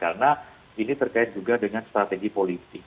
karena ini terkait juga dengan strategi politik